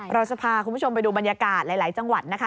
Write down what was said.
เราจะพาคุณผู้ชมไปดูบรรยากาศหลายจังหวัดนะคะ